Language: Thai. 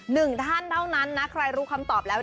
หนึ่งท่านเท่านั้นนะใครรู้คำตอบแล้ว